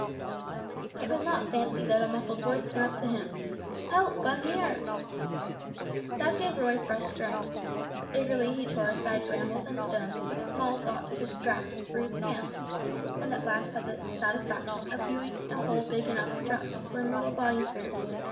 It was not fancy that a muffled voice came up to him "Help! I'm here!" That gave Roy fresh strength. Eagerly he tore aside brambles and stones with small thought of his scratched, bruised hands, and at last had the satisfaction of viewing a hole big enough to drop his slim little body through.